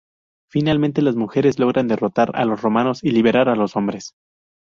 Finalmente, las mujeres logran derrotar a los romanos y liberar a los hombres.